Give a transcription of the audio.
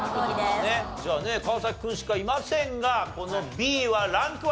じゃあね川君しかいませんがこのＢはランクは？